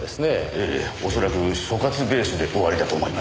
ええおそらく所轄ベースで終わりだと思います。